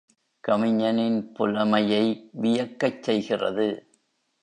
கவிஞனின் புலமையை வியக்கச் செய்கிறது.